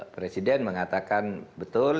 presiden mengatakan betul